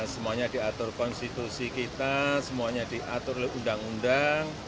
semuanya diatur konstitusi kita semuanya diatur oleh undang undang